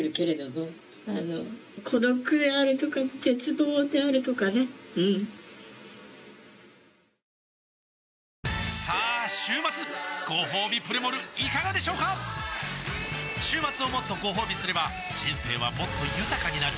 ５年前に彼を診察した医師はさあ週末ごほうびプレモルいかがでしょうか週末をもっとごほうびすれば人生はもっと豊かになる！